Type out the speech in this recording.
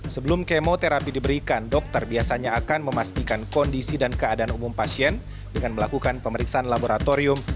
sebelum kemoterapi diberikan dokter biasanya akan memastikan kondisi dan keadaan umum pasien dengan melakukan pemeriksaan laboratorium